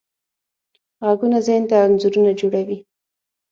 غږونه ذهن ته انځورونه جوړوي.